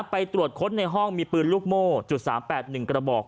ไปตรวจค้นในห้องมีปืนลูกโมจุดสามแปดหนึ่งกระบอก